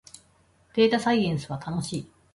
データサイエンスは楽しい